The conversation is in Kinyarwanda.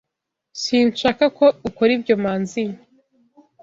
Sinshaka ko ukora ibyo, Manzi.